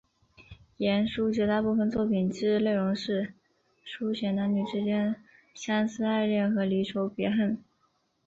晏殊绝大部分作品之内容是抒写男女之间的相思爱恋和离愁别恨。